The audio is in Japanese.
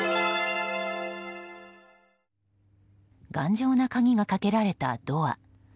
頑丈な鍵がかけられたドア。